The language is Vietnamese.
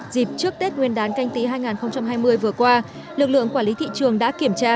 dịp trước tết nguyên đán canh tí hai nghìn hai mươi vừa qua lực lượng quản lý thị trường đã kiểm tra